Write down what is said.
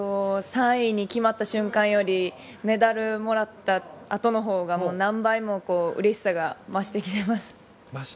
３位に決まった瞬間よりメダルをもらったあとのほうが何倍もうれしさが増してきています。